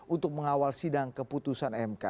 untuk mengawal sidang keputusan mk